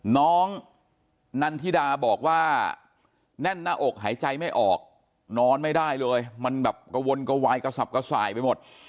น้องนันทิดาบอกว่าแน่นหน้าอกหายใจไม่ออกนอนไม่ได้เลยมันแบบกระวนกระวายกระสับกระส่ายไปหมด